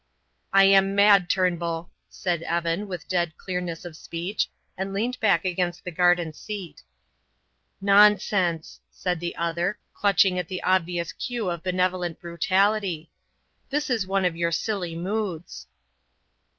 "I am mad, Turnbull," said Evan, with a dead clearness of speech, and leant back against the garden seat. "Nonsense," said the other, clutching at the obvious cue of benevolent brutality, "this is one of your silly moods."